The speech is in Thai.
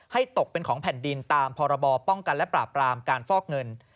ตกเป็นของแผ่นดินตามพรบป้องกันและปราบรามการฟอกเงิน